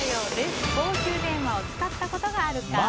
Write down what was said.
公衆電話を使ったことがあるか。